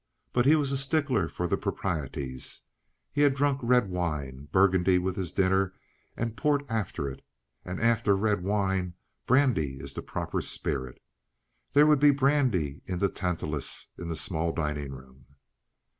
But he was a stickler for the proprieties: he had drunk red wine, Burgundy with his dinner and port after it, and after red wine brandy is the proper spirit. There would be brandy in the tantalus in the small dining room.